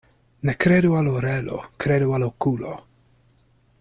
Ne kredu al orelo, kredu al okulo.